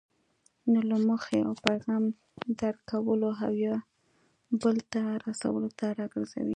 نو له موخې او پیغام درک کولو او یا بل ته رسولو دې راګرځوي.